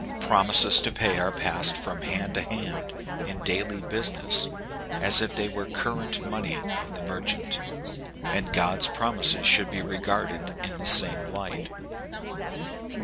Promises to pay are passed from hand to hand in daily business, as if they were current money of the merchant ; and God's promises should be regarded in the same light.